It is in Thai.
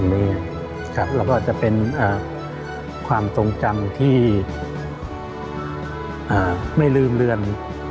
แล้วก็จะเป็นความทรงจำที่ไม่ลืมเรือน